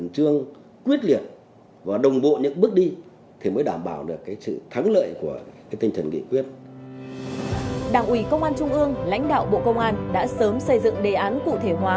đảng ủy công an trung ương lãnh đạo bộ công an đã sớm xây dựng đề án cụ thể hóa